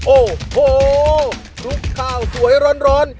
โอ้โหทุกข่าวสวยร้อน